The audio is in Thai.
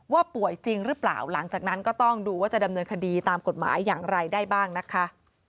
ป่วยจริงหรือเปล่าหลังจากนั้นก็ต้องดูว่าจะดำเนินคดีตามกฎหมายอย่างไรได้บ้างนะคะ